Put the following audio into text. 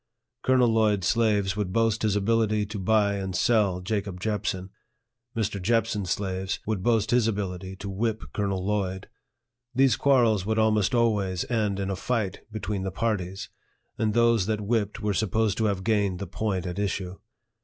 Colonel Lloyd's slaves would boast his ability to buy and sell Jacob Jepson. Mr. Jepson's slaves would boast his ability to whip Colonel Lloyd. These quarrels would almost always end in a fight between the parties, and those that whipped were supposed to have gained the point at issue.